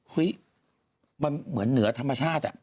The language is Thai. เฮ้ยมันเหมือนเหนือธรรมชาติ